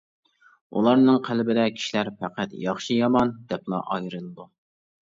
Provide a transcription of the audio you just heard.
ئۇلارنىڭ قەلبىدە كىشىلەر پەقەت ياخشى يامان دەپلا ئايرىلىدۇ.